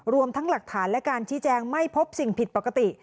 รวมทั้งหลักฐานและการชี้แจงไม่พบสิ่งผิดปกติ